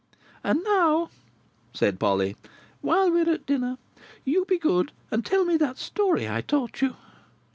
"And now," said Polly, "while we are at dinner, you be good, and tell me that story I taught you."